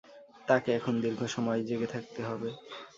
তাকে এখন দীর্ঘ সময় জেগে থাকতে হবে।